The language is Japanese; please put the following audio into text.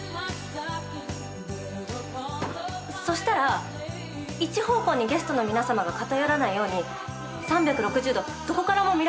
そしたら一方向にゲストの皆さまが片寄らないように３６０度どこからも見られるツリーにしません？